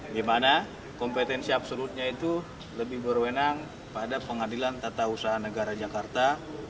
di mana kompetensi absolutnya itu lebih berwenang pada pengadilan tata usaha negara jakarta